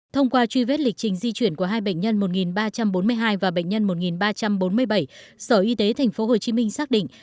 thông qua truy vết lịch trình di chuyển của hai bệnh nhân một ba trăm bốn mươi hai và bệnh nhân một ba trăm bốn mươi bảy sở y tế tp hcm xác định